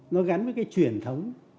nó gắn với cái truyền thống